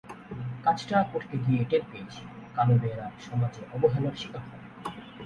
কাজটা করতে গিয়ে টের পেয়েছি, কালো মেয়েরা সমাজে অবহেলার শিকার হন।